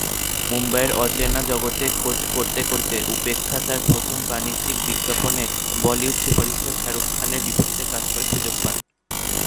মুম্বইয়ের অচেনা জগতে খোঁজ করতে করতে, উপেক্ষা তাঁর প্রথম বাণিজ্যিক বিজ্ঞাপনে বলিউড সুপারস্টার শাহরুখ খানের বিপরীতে কাজ করার সুযোগ পান।